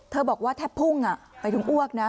บอกว่าแทบพุ่งไปถึงอ้วกนะ